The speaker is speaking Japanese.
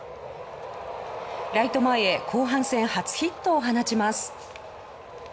ライト前へ後半戦、初ヒットを放ちます。